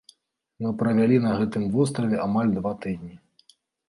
Мы правялі на гэтым востраве амаль два тыдні.